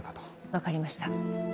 分かりました。